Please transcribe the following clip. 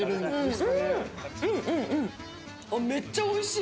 めっちゃおいしい！